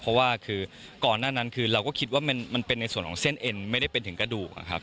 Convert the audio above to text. เพราะว่าคือก่อนหน้านั้นคือเราก็คิดว่ามันเป็นในส่วนของเส้นเอ็นไม่ได้เป็นถึงกระดูกอะครับ